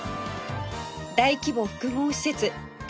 大規模複合施設